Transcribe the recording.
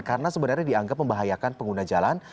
karena sebenarnya dianggap membahayakan pengguna jalan